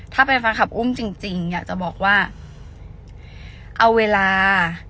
ถ้าเป็นแฟนคลับอุ้มจริงอยากจะบอกว่าเอาเวลา